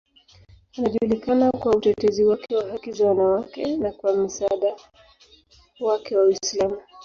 Anajulikana kwa utetezi wake wa haki za wanawake na kwa msaada wake wa Uislamu.